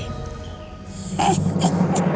akhirnya kau jujur gak